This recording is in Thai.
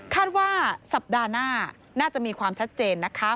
คาดว่าสัปดาห์หน้าน่าจะมีความชัดเจนนะคะ